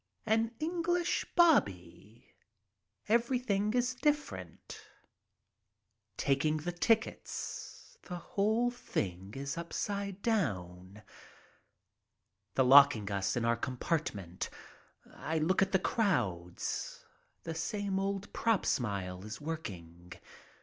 An English "bobby." Everything is different. Taking the tickets. The whole thing is upside down. The locking us in our compartment. I look at the crowds. The same old "prop" smile is working.